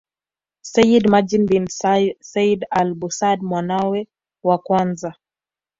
Sayyid Majid bin Said Al Busad mwanawe wa kwanza